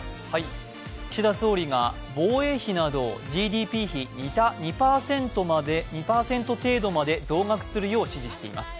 岸田総理が防衛費などをＧＤＰ比で２％程度まで増額するよう指示しています。